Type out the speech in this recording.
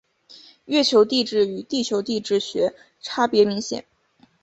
月球地质与地球地质学差别明显。